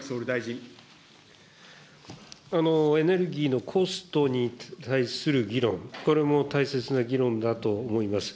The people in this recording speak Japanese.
エネルギーのコストに対する議論、これも大切な議論だと思います。